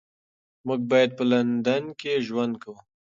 موږ به په لندن کې ژوند کوو.